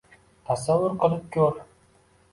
— Tasavvur qilib ko‘r